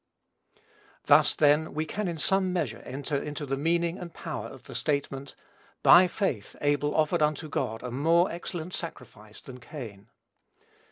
Thus, then, we can in some measure enter into the meaning and power of the statement, "By faith Abel offered unto God a more excellent sacrifice than Cain."